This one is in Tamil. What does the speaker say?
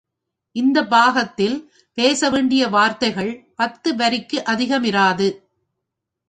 இந்தப் பாகத்தில் பேச வேண்டிய வார்த்தைகள் பத்து வரிக்கு அதிகமிராது.